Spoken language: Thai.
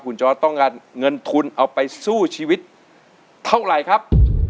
คุณจอร์ดต้องการเงินทุนเอาไปสู้ชีวิตเท่าไหร่ครับ